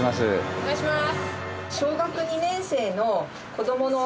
お願いします！